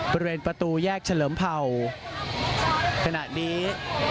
บริเวณประตูแยกเฉลิมเผ่าขณะนี้